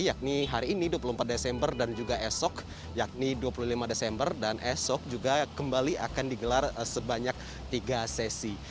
yakni hari ini dua puluh empat desember dan juga esok yakni dua puluh lima desember dan esok juga kembali akan digelar sebanyak tiga sesi